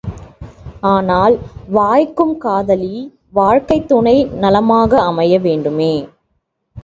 ஆனால், வாய்க்கும் காதலி, வாழ்க்கைத் துணை நலமாக அமைய வேண்டுமே!